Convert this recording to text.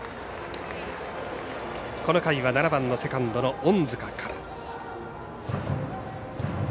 この回は７番セカンドの隠塚から。